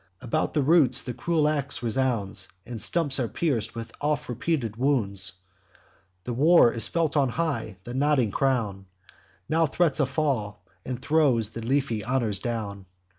About the roots the cruel ax resounds; The stumps are pierc'd with oft repeated wounds: The war is felt on high; the nodding crown Now threats a fall, and throws the leafy honours down.